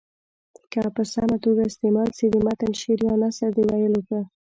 که په سمه توګه استعمال سي د متن شعر یا نثر د ویلو په